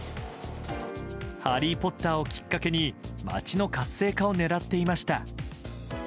「ハリー・ポッター」をきっかけに街の活性化を狙っていました。